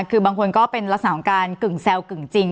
คือบางคนก็เป็นลักษณะของการกึ่งแซวกึ่งจริง